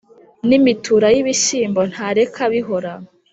N’imitura y’ibishyimbo ntareka bihora